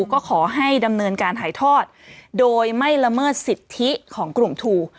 ก็ขอให้ดำเนินการถ่ายทอดโดยไม่ละเมิดสิทธิของกลุ่มทู